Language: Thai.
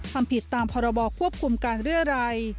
ทำผิดตามพรบควบคุมการเรียรัย